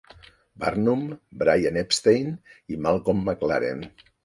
Barnum, Brian Epstein i Malcolm McLaren.